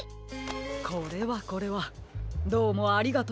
これはこれはどうもありがとうございます。